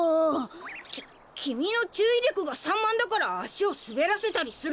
ききみのちゅういりょくがさんまんだからあしをすべらせたりするんですよ。